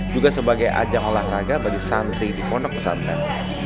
juga sebagai ajang olahraga bagi santri di pondok pesantren